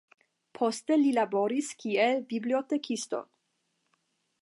Poste li laboris kiel bibliotekisto.